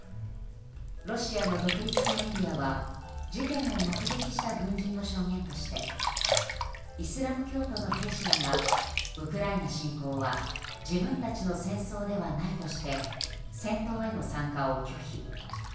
ロシアの独立系メディアは事件を目撃した軍人の証言としてイスラム教徒の兵士らがウクライナ侵攻は自分たちの戦争ではないとして戦闘への参加を拒否。